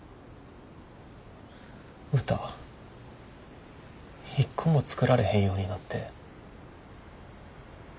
歌一個も作られへんようになって。